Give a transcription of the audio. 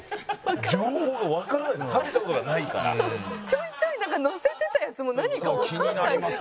ちょいちょいのせてたやつも何かわからないし。